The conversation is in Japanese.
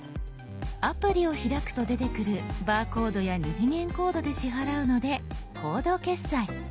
アプリを開くと出てくるバーコードや２次元コードで支払うので「コード決済」。